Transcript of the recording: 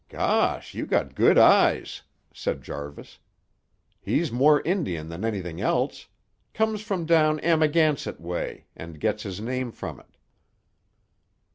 "Gosh! You got good eyes!" said Jarvis. "He's more Indian than anything else. Comes from down Amagansett way, and gets his name from it."